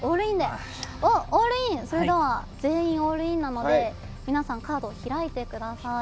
それでは全員オールインなので皆さんカードを開いてください。